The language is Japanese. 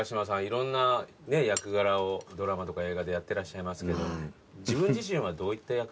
いろんな役柄をドラマとか映画でやってらっしゃいますけど自分自身はどういった役柄が好きなんですか？